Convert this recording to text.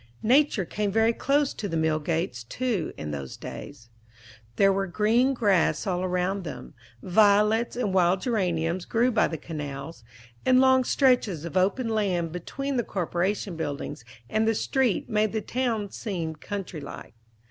Nature came very close to the mill gates, too, in those days. There was green grass all around them; violets and wild geraniums grew by the canals; and long stretches of open land between the corporation buildings and the street made the town seem country like.